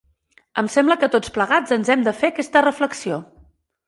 Em sembla que tots plegats ens hem de fer aquesta reflexió.